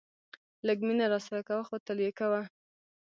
لږ مینه راسره کوه خو تل یې کوه.